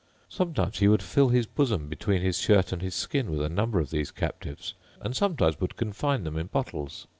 Sometimes he would fill his bosom between his shirt and his skin with a number of these captives; and sometimes would confine them in bottles.